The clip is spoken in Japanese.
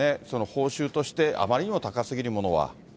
報酬としてあまりにも高すぎるものは。